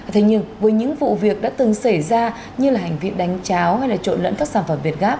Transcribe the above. thế nhưng với những vụ việc đã từng xảy ra như là hành vi đánh cháo hay trộn lẫn các sản phẩm việt gáp